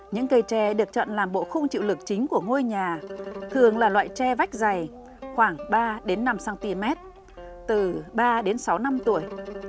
những cây tre được chọn làm bộ khung chịu lực chính của ngôi nhà thường là loại tre vách dày khoảng ba năm cm từ ba đến sáu năm tuổi